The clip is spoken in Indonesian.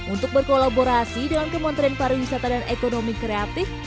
untuk berkolaborasi dengan kementerian pariwisata dan ekonomi kreatif